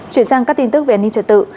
chuyển sang các tin tức về an ninh trật tự